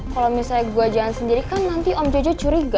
kalau misalnya gue jalan sendiri kan nanti om jojo curiga